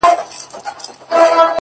• ما خو دا ټوله شپه ـ